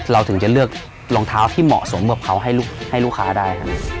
เราถึงจะเลือกรองเท้าที่เหมาะสมกับเขาให้ลูกค้าได้ครับ